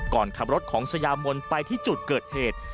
ก่อนขับรถของสยามนไปที่จุดเกิดเหตุ